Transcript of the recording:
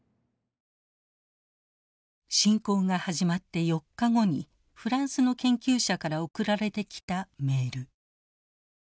侵攻が始まって４日後にフランスの研究者から送られてきたメール。